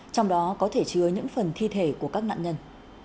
trong đó có thể chứa những phần thi thể của các nạn nhân